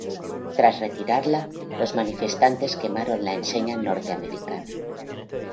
Tras retirarla, los manifestantes quemaron la enseña norteamericana.